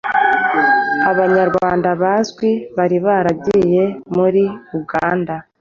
Abanyarwanda bazwi bari baragiye muri Uganda